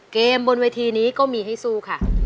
บนเวทีนี้ก็มีให้สู้ค่ะ